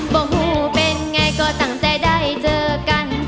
หูเป็นไงก็ตั้งใจได้เจอกัน